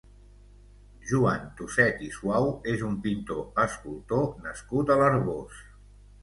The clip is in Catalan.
Joan Tuset i Suau és un pintor escultor nascut a l'Arboç.